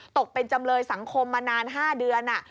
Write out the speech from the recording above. ตกเป็นจำเลยสังคมมานาน๕เดือน